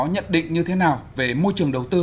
nhận định như thế nào về môi trường đầu tư